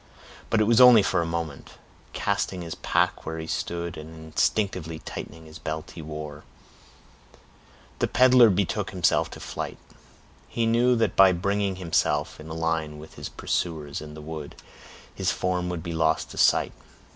But it was only for a moment. Casting his pack where he stood, and instinctively tightening the belt he wore, the peddler betook himself to flight. He knew that by bringing himself in a line with his pursuers and the wood, his form would be lost to sight.